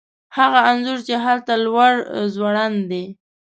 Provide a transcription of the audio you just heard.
هغه انځور چې هلته لوړ ځوړند دی